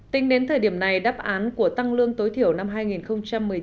tính đến thời điểm này đáp án của tăng lương tối thiểu năm hai nghìn một mươi chín vẫn là câu hỏi mở